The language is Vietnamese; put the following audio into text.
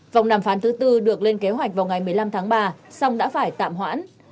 vòng đàm phán thứ tư được lên kế hoạch vào ngày một mươi năm tháng ba song đã phải tạm hoãn